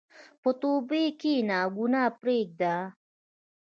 په توبې کښېنه، ګناه پرېږده.